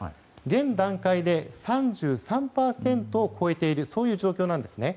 現段階で３３％を超えている状況なんです。